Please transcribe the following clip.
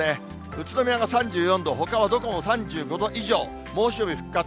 宇都宮が３４度、ほかはどこも３５度以上、猛暑日復活。